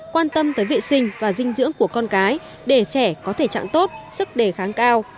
quan tâm tới vệ sinh và dinh dưỡng của con cái để trẻ có thể trạng tốt sức đề kháng cao